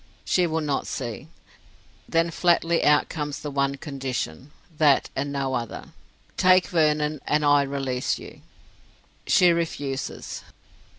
She will not see. Then flatly out comes the one condition. That and no other. "Take Vernon and I release you." She refuses.